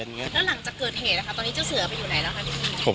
แล้วหลังจากเกิดเหตุนะคะตอนนี้เจ้าเสือไปอยู่ไหนแล้วคะพี่